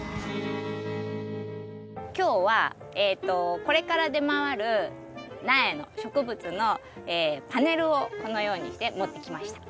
今日はえとこれから出回る苗の植物のパネルをこのようにして持ってきました。